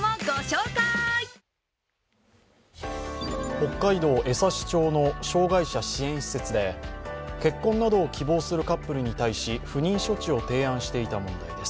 北海道江差町の障害者支援施設で結婚などを希望するカップルに対して不妊処置を提案していた問題です。